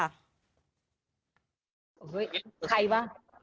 เฮ้ยใครวะ